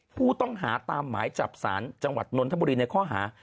ผู้ต้องหาตามหมายจับสารจังหวัดนนทบุรีในข้อหา